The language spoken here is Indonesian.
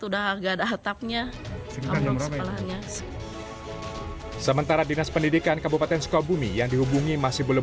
udah agak ada atapnya sementara dinas pendidikan kabupaten sukabumi yang dihubungi masih belum